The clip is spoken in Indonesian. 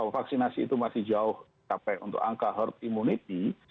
vaksinasi itu masih jauh sampai untuk angka herd immunity